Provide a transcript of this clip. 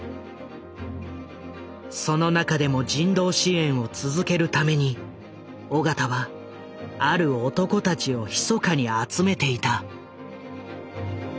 その中でも人道支援を続けるために緒方はある男たちをひそかに集めていた。